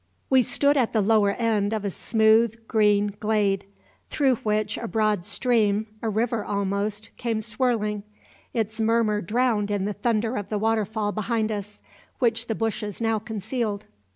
We stood at the lower end of a smooth, green glade, through which a broad stream a river, almost came swirling, its murmur drowned in the thunder of the waterfall behind us, which the bushes now concealed.